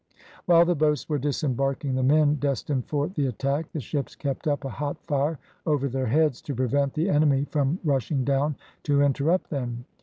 While the boats were disembarking the men destined for the attack, the ships kept up a hot fire over their heads, to prevent the enemy from rushing down to interrupt them.